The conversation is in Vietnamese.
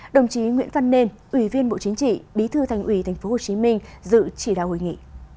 đồng chí nguyễn văn nên ủy viên bộ chính trị bí thư thành ủy tp hcm dự chỉ đạo hội nghị